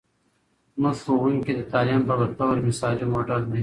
زموږ ښوونکې د تعلیم په بطور مثالي موډل دی.